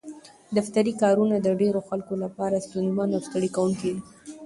دفتري کارونه د ډېرو خلکو لپاره ستونزمن او ستړي کوونکي دي.